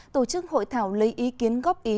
tổ chức hội thảo lấy ý kiến góp ý